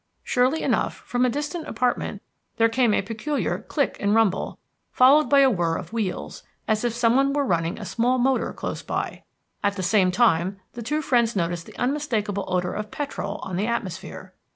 Surely enough, from a distant apartment there came a peculiar click and rumble, followed by a whirr of wheels, as if someone was running out a small motor close by. At the same time, the two friends noticed the unmistakable odor of petrol on the atmosphere.